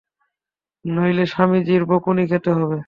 নইলে স্বামীজীর বকুনি খেতে হবে।